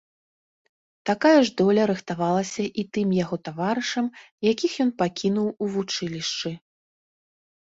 Такая ж доля рыхтавалася і тым яго таварышам, якіх ён пакінуў у вучылішчы.